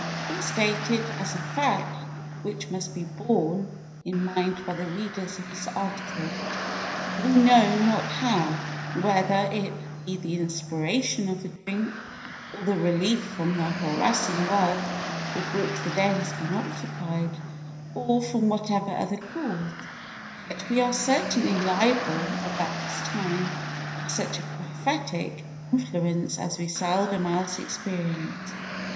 We state it as a fact which must be borne in mind by the readers of this article; for we know not how, whether it be the inspiration of the drink, or the relief from the harassing work with which the day has been occupied, or from whatever other cause, yet we are certainly liable about this time to such a prophetic influence as we seldom else experience.